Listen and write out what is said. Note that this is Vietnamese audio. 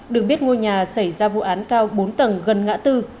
được biết ngôi nhà xảy ra vụ án cao bốn tầng gần ngã tư